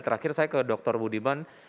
terakhir saya ke dr budiman